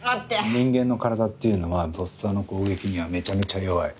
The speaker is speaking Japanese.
人間の体っていうのはとっさの攻撃にはめちゃめちゃ弱い。